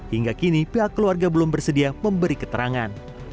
hingga kini pihak keluarga belum bersedia memberi keterangan